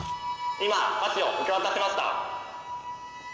今箸を受け渡しました。